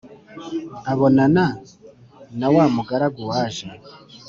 abonana nawamugaragu waje